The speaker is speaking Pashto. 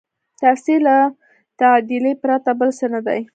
تفسیر له تعدیله پرته بل څه نه دی.